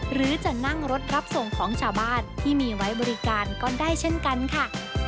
หรือจะนั่งรถรับส่งของชาวบ้านที่มีไว้บริการก็ได้เช่นกันค่ะ